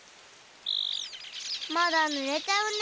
まだぬれちゃうね。